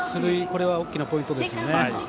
これは大きなポイントですよね。